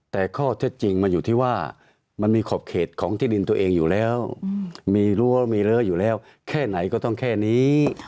แต่ข้อเท็จจริงมันอยู่ที่ว่ามันมีขอบเขตของที่ดินตัวเองอยู่แล้วมีรั้วมีเลอะอยู่แล้วแค่ไหนก็ต้องแค่นี้